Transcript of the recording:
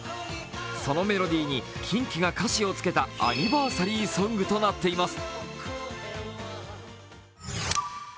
そのメロディーにキンキが歌詞をつけたアニバーサリーソングとなっています。